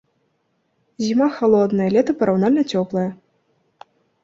Зіма халодная, лета параўнальна цёплае.